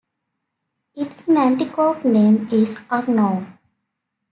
Its Nanticoke name is unknown.